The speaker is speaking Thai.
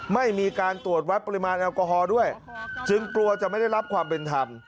ไม่มีการตรวจวัดปริมาณแอลกอฮอล์ด้วยจึงกลัวจะไม่ได้รับความเป็นธรรม